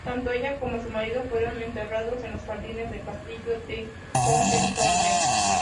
Tanto ella como su marido fueron enterrados en los jardines del castillo de Hohenzollern.